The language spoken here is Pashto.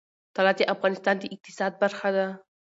طلا د افغانستان د اقتصاد برخه ده.